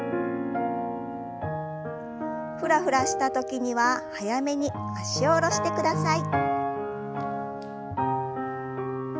フラフラした時には早めに脚を下ろしてください。